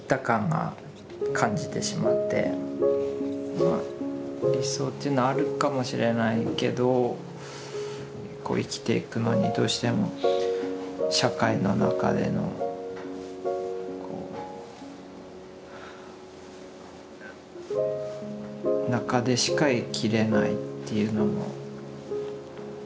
でそれから理想っていうのはあるかもしれないけど生きていくのにどうしても社会の中での中でしか生きれないっていうのもあるし。